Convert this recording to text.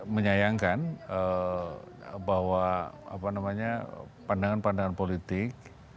menyayangkan bahwa pandangan pandangan politik